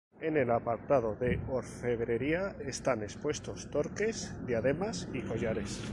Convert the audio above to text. En el apartado de la orfebrería están expuestos torques, diademas y collares.